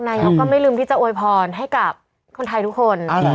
นายกก็ไม่ลืมที่จะอวยพรให้กับคนไทยทุกคน